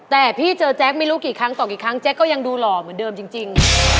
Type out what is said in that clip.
แต่พี่เจอแจ๊คไม่รู้กี่ครั้งต่อกี่ครั้งแจ๊กก็ยังดูหล่อเหมือนเดิมจริง